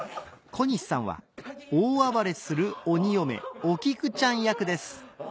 小西さんは大暴れする鬼嫁お菊ちゃん役です